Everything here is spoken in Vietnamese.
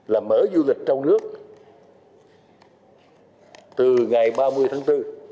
là mở du lịch trong nước từ ngày ba mươi tháng bốn